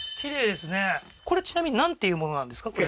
これちなみになんていうものなんですか？